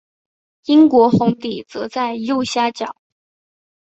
英国红底则在右下角。